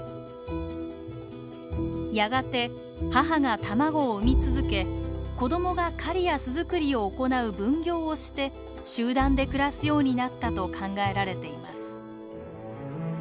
やがて母が卵を産み続け子供が狩りや巣作りを行う分業をして集団で暮らすようになったと考えられています。